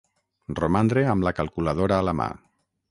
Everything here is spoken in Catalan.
Romandre amb la calculadora a la mà.